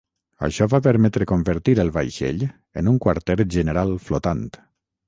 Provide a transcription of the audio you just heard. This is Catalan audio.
Això va permetre convertir el vaixell en un quarter general flotant.